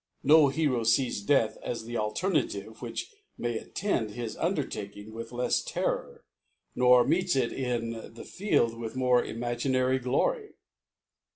No Hero fees Death as the Alternative which may attend his Undertaking with left Terror, nor meets it in the Field with ' more imaginary Glory.